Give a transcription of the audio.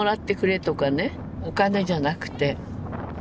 お金じゃなくて。